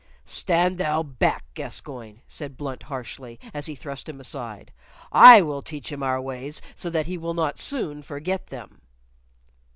"Stand thou back, Gascoyne," said Blunt, harshly, as he thrust him aside. "I will teach him our ways so that he will not soon forget them."